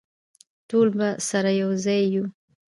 ټول به سره یوځای وو.